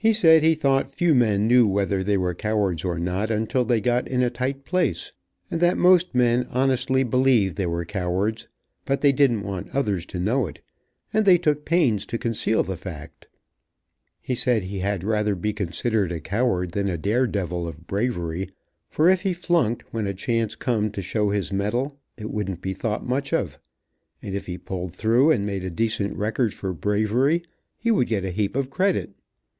He said he thought few men knew whether they were cowards or not, until they got in a tight place, and that most men honestly believed they were cowards, but they didn't want others to know it, and they took pains to conceal the fact. He said he had rather be considered a coward than a dare devil of bravery, for if he flunked when a chance come to show his metal, it wouldn't be thought much of, and if he pulled through, and made a decent record for bravery, he would get a heap of credit.